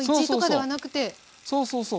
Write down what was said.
そうそうそう。